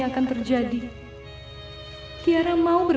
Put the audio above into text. ya tante makasih ya tante